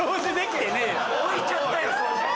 置いちゃったよ掃除機。